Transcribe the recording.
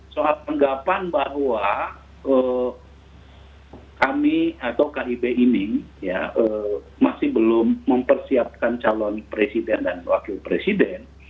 soal anggapan bahwa kami atau kib ini masih belum mempersiapkan calon presiden dan wakil presiden